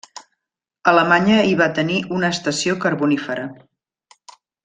Alemanya hi va tenir una estació carbonífera.